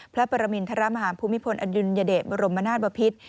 พระปรมินทรมาฮาภูมิพลอดุลยเดชบรมนาศบพิษ